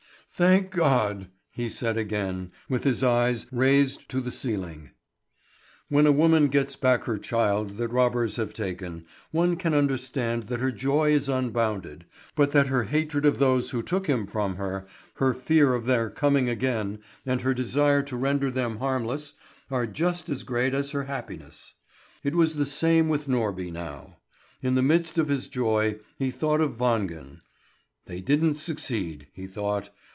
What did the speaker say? "Thank God!" he said again, with his eyes raised to the ceiling. When a woman gets back her child that robbers have taken, one can understand that her joy is unbounded, but that her hatred of those who took him from her, her fear of their coming again, and her desire to render them harmless, are just as great as her happiness. It was the same with Norby now. In the midst of his joy he thought of Wangen. "They didn't succeed," he thought.